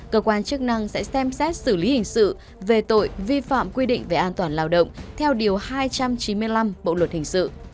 cơ quan chức năng sẽ xem xét xử lý hình sự về tội vi phạm quy định về an toàn lao động theo điều hai trăm chín mươi năm bộ luật hình sự